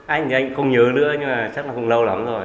anh thì anh không nhớ nữa nhưng là chắc là không lâu lắm rồi